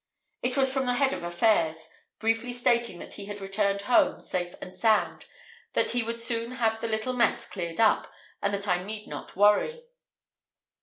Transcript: It was from the Head of Affairs, briefly stating that he had returned home, safe and sound, that he would soon have the little mess cleared up, and that I need not worry.